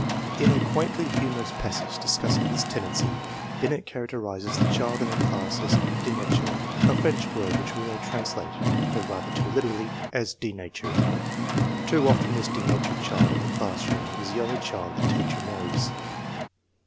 In a quaintly humorous passage discussing this tendency, Binet characterizes the child in a class as denature, a French word which we may translate (though rather too literally) as k * denatured/' Too often this " denatured " child of the classroom is the only child the teacher knows.